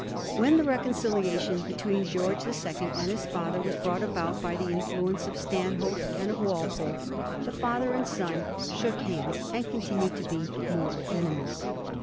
When the reconciliation between Greorge the Second and his father was brought about by the influence of Stanhope and of Walpole, the father and son shook hands and continued to be mortal enemies.